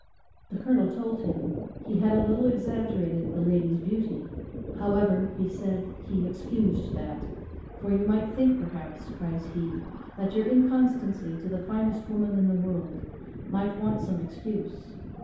The colonel told him he had a little exaggerated the lady's beauty; however, he said, he excused that, "for you might think, perhaps," cries he, "that your inconstancy to the finest woman in the world might want some excuse.